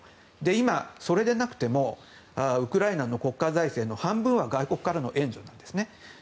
今、それでなくてもウクライナの国家財政の半分は外国からの援助なんですね。